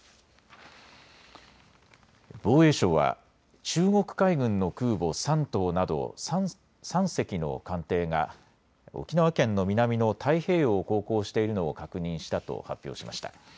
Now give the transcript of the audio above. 防衛省は中国海軍の空母山東など３隻の艦艇が沖縄県の南の太平洋を航行しているのを確認したと発表しました。